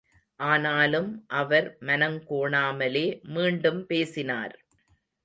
ஆனாலும் அவர் மனங்கோணாமலே மீண்டும் பேசினார்.